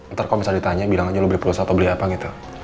ntar kalau misalnya ditanya bilang aja lu beli plus atau beli apa gitu